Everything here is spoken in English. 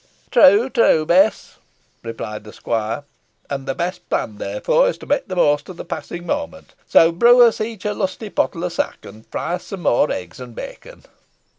"True, true, Bess," replied the squire, "and the best plan therefore is, to make the most of the passing moment. So brew us each a lusty pottle of sack, and fry us some more eggs and bacon."